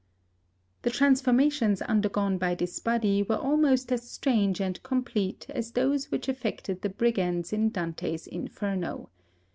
" The transformations undergone by this body were almost as strange and complete as those which affected the brigands in Dante's Inferno.